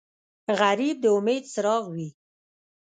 غریب د امید څراغ وي